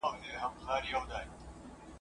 څوک وایي چي د چوپان لور وه؟